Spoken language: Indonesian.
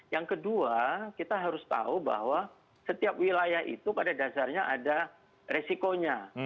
yang kedua kita harus tahu bahwa setiap wilayah itu pada dasarnya ada resikonya